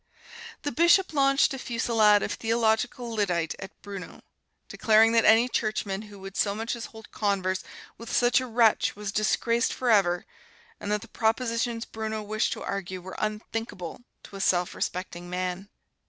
The Bishop launched a fusillade of theological lyddite at Bruno, declaring that any Churchman who would so much as hold converse with such a wretch was disgraced forever, and that the propositions Bruno wished to argue were unthinkable to a self respecting man.